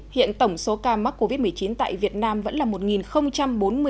hiện tổng số ca mắc covid một mươi chín tại việt nam vẫn là một bốn mươi ca